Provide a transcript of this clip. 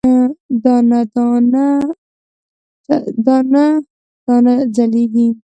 دانه، دانه ځلیږې